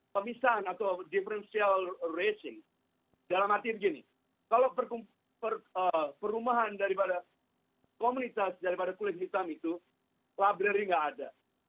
pemisahan atau differential racing dalam arti begini kalau perumahan daripada komunitas daripada kulit hitam itu labrary nggak ada